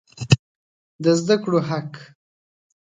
د زده کړو حق